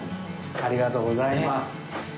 ありがとうございます。